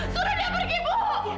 suruh dia pergi bu